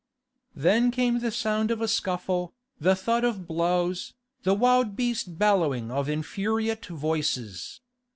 Then came the sound of a scuffle, the thud of blows, the wild beast bellowing of infuriate voices.